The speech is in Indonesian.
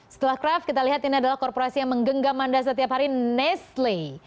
setelah kraft kita lihat ini adalah korporasi yang menggenggam anda setiap hari nestle